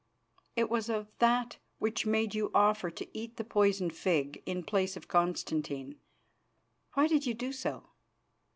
It was of that which made you offer to eat the poisoned fig in place of Constantine. Why did you do so?